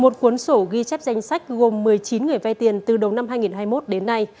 tổng số ghi chép danh sách gồm một mươi chín người vai tiền từ đầu năm hai nghìn hai mươi một đến nay